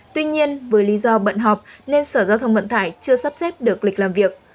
tuy nhiên với lý do bận họp nên sở giao thông vận tải chưa sắp xếp được lịch làm việc